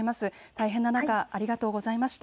大変な中、ありがとうございました。